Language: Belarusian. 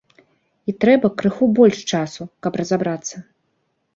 І трэба крыху больш часу, каб разабрацца.